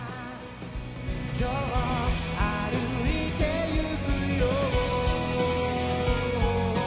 「今日を歩いていくよ」